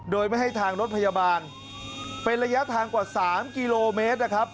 โดยไม่ให้ทางรถพยาบาลเป็นระยะทางกว่า๓กิโลเมตรนะครับ